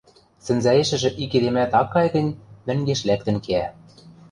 Сӹнзӓэшӹжӹ ик эдемӓт ак кай гӹнь, мӹнгеш лӓктӹн кеӓ.